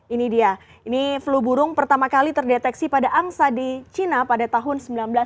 ini dia ini flu burung pertama kali terdeteksi pada angsa di cina pada tahun seribu sembilan ratus sembilan puluh